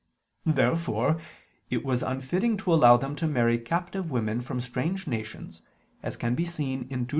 Therefore it was unfitting to allow them to marry captive women from strange nations (Deut.